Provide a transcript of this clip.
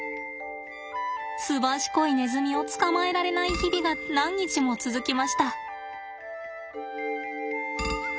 すばしこいネズミを捕まえられない日々が何日も続きました。